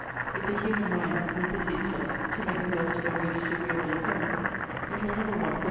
If the human mind will busy itself to make the worst of every disagreeable occurrence, it will never want woe.